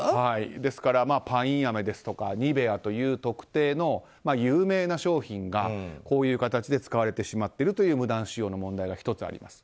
ですからパインアメやニベアなど特定の有名な商品がこういう形で使われてしまっているという無断使用の問題が１つあります。